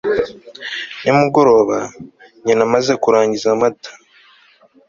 nimugoroba, nyina amaze kurangiza amata